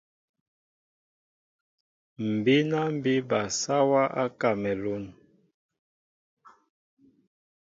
M̀ bíná mbí bal sáwā á Kámalûn.